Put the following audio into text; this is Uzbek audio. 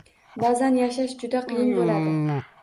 Ba’zan yashash juda qiyin bo‘ladi.